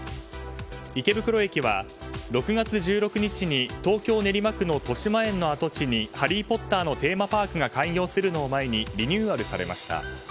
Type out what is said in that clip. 池袋駅は６月１６日に東京・練馬区のとしまえんの跡地に「ハリー・ポッター」のテーマパークが開業するのを前にリニューアルされました。